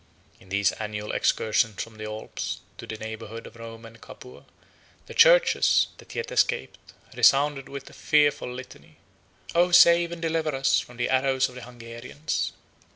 In these annual excursions from the Alps to the neighborhood of Rome and Capua, the churches, that yet escaped, resounded with a fearful litany: "O, save and deliver us from the arrows of the Hungarians!"